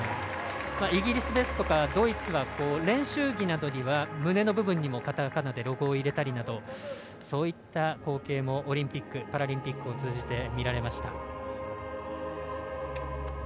イギリスですとかドイツは練習着などには胸の部分にもカタカナでロゴを入れたりなどそういった光景もオリンピック・パラリンピックを通じて見られました。